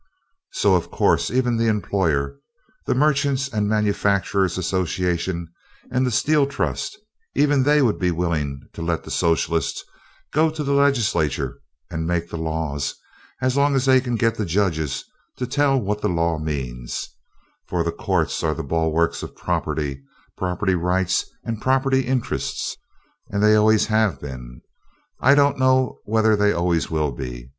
So of course, even the employer, the Merchants' and Manufacturers' Association and the Steel Trust, even they would be willing to let the Socialists go to the Legislature and make the laws, as long as they can get the judges to tell what the law means. (Loud applause). For the courts are the bulwarks of property, property rights and property interests, and they always have been. I don't know whether they always will be.